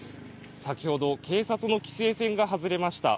先ほど警察の規制線が外れました。